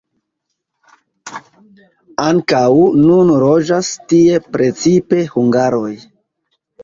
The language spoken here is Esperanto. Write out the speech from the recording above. Ankaŭ nun loĝas tie precipe hungaroj.